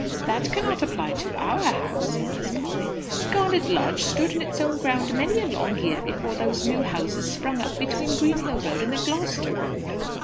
"That cannot apply to our house," said Miss Polly. "Garnet Lodge stood in its own ground many a long year before those new houses sprung up between Greenhill Road and the Gloucester Road."